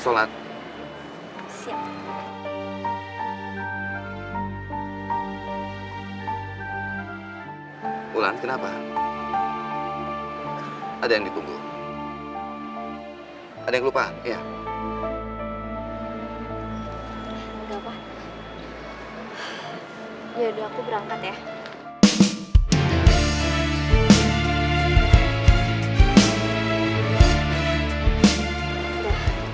yaudah kalau gitu aku berangkat